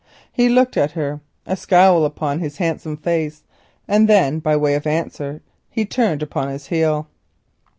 He looked at her, a scowl upon his handsome face. Then by way of answer he turned upon his heel.